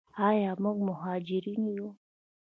آیا موږ مهاجرین یو؟